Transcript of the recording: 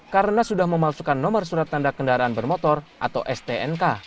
karena sudah memalsukan nomor surat tanda kesehatan